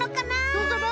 どうかな。